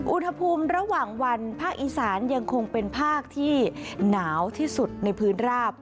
อุณหภูมิระหว่างวันภาคอีสานยังคงเป็นภาคที่หนาวที่สุดในพื้นราบ